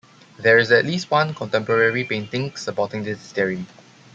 There is at least one contemporary painting supporting this theory.